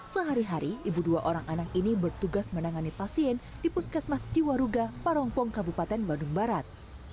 sehari hari ibu dua orang anak ini bertugas menangani pasien di puskesmas jiwaruga parongpong kabupaten bandung barat